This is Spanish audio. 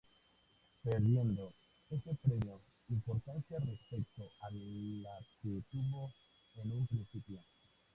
Perdiendo este premio importancia respecto a la que tuvo en un principio.